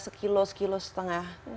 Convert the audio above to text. sekilo sekilo setengah